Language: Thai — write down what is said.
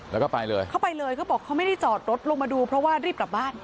แล้วก็ไปเลยเขาไปเลยเขาบอกเขาไม่ได้จอดรถลงมาดูเพราะว่ารีบกลับบ้าน